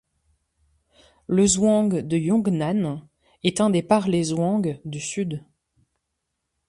Le zhuang de Yongnan est un des parlers zhuang du Sud.